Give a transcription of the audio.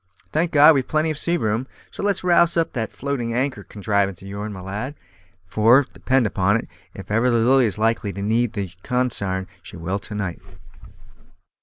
Thank God, we've plenty of sea room; so let's rouse up that floating anchor contrivance of yourn, my lad, for, depend upon it, if ever the Lily is likely to need the consarn, she will to night."